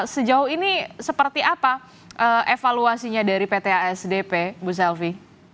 sejauh ini seperti apa evaluasinya dari pt asdp bu selvi